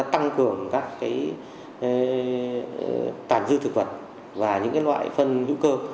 tăng cường các cái toàn dư thực vật và những cái loại phân hữu cơ